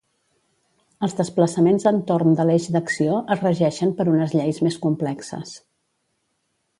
Els desplaçaments entorn de l'eix d'acció es regeixen per unes lleis més complexes.